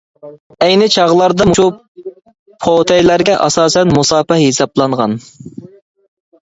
ئەينى چاغلاردا مۇشۇ پوتەيلەرگە ئاساسەن مۇساپە ھېسابلانغان.